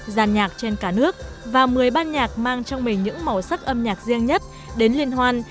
giàn nhạc trên cả nước và một mươi ban nhạc mang trong mình những màu sắc âm nhạc riêng nhất đến liên hoan